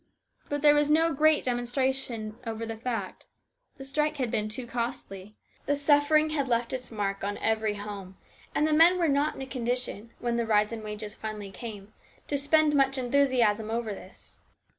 But there was no great demonstration over the fact. The strike had been too costly. The suffering had left its mark on every home, and the men were not in a condition, when the rise in wages finally came, to spend much enthusiasm over it.